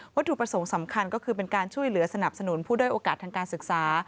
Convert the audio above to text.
ถูกประสงค์สำคัญก็คือเป็นการช่วยเหลือสนับสนุนผู้ด้อยโอกาสทางการศึกษา